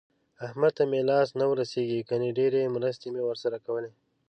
احمد ته مې لاس نه ورسېږي ګني ډېرې مرستې مې ورسره کولې.